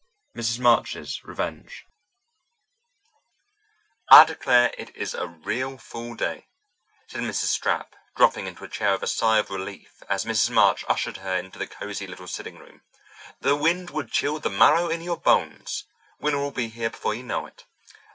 Mrs. March's RevengeToC "I declare, it is a real fall day," said Mrs. Stapp, dropping into a chair with a sigh of relief as Mrs. March ushered her into the cosy little sitting room. "The wind would chill the marrow in your bones; winter'll be here before you know it."